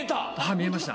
見えました。